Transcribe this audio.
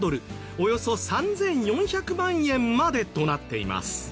およそ３４００万円までとなっています。